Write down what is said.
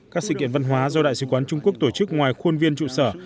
các sự kiện văn hóa do đại sứ quán trung quốc tổ chức ngoài khuôn viên trụ sở